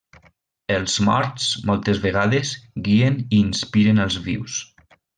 Els morts, moltes vegades, guien i inspiren als vius.